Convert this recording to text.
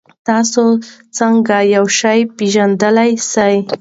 تاسې څنګه یو شی پېژندلای سئ؟